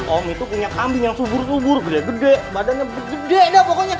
om itu punya kambing yang subur subur gede gede badannya gede deh pokoknya